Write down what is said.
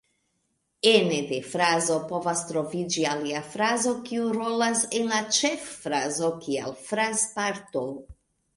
Ene de frazo povas troviĝi alia frazo, kiu rolas en la ĉeffrazo kiel frazparto.